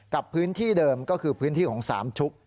กับพื้นที่เดิมก็คือพื้นที่ของสามชุก